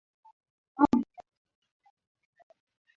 Wao ni chanzo tajiri cha viumbe hai